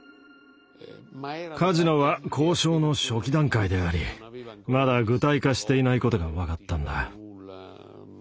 カジノは交渉の初期段階でありまだ具体化していないことが分かったんだ。